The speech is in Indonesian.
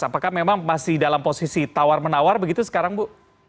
apakah memang masih dalam posisi tawar menawar begitu sekarang bu